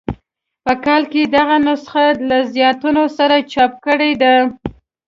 په کال کې دغه نسخه له زیاتونو سره چاپ کړې ده.